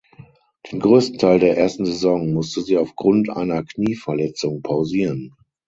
Den größten Teil der ersten Saison musste sie aufgrund einer Knieverletzung pausieren.